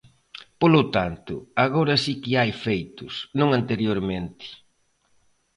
Polo tanto, agora si que hai feitos, non anteriormente.